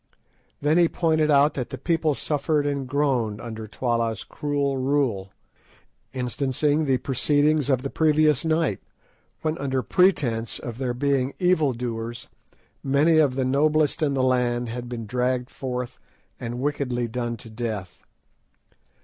Then he pointed out that the people suffered and groaned under Twala's cruel rule, instancing the proceedings of the previous night, when, under pretence of their being evil doers, many of the noblest in the land had been dragged forth and wickedly done to death.